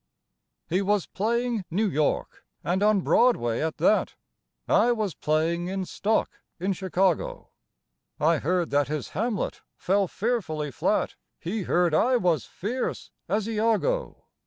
He was playing New York, and on Broadway at that; I was playing in stock, in Chicago. I heard that his Hamlet fell fearfully flat; He heard I was fierce, as Iago.